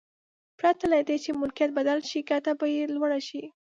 پرته له دې چې ملکیت بدل شي ګټه به یې لوړه شي.